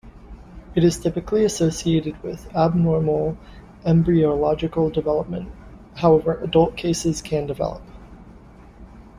It is typically associated with abnormal embryological development, however adult cases can develop.